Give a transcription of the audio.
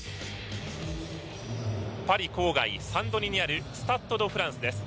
パリ郊外サンドニにあるスタッド・ド・フランスです。